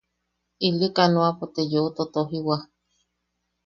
Ili kanoapo te yeu totojiwa.